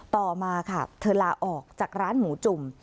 ต่อมาค่ะเธอลาออกจากร้านหมูจุ่ม